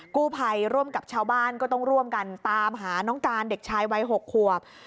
กู้ภัยร่วมกับชาวบ้านก็ต้องร่วมกันตามหาน้องการเด็กชายวัย๖ขวบ